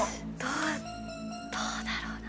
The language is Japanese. どうだろうな？